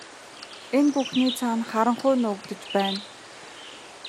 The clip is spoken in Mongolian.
Энэ бүхний цаана харанхуй нуугдаж байна.